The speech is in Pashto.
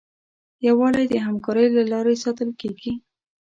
یووالی د همکارۍ له لارې ساتل کېږي.